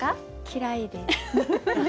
嫌いです。